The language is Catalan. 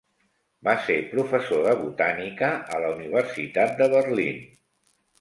Va ser professor de botànica a la Universitat de Berlín.